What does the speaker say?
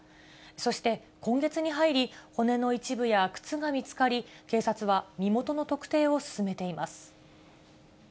そして今月に入り、骨の一部や靴が見つかり、警察は身元の特定を進めています。